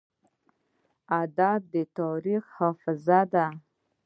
ادب د تاریخ حافظه ده.